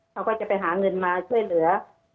เขาก็จะไปหาเงินมาช่วยเหลือ